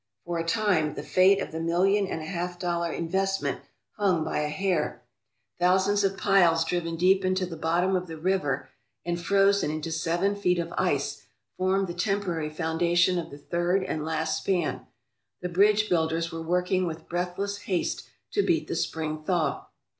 For a time the fate of the million and a half dollar investment hung by a hair. Thousands of piles driven deep into the bottom of the river and frozen into seven feet of ice formed the temporary foundation of the third and last span. The bridge builders were working with breathless haste to beat the spring thaw.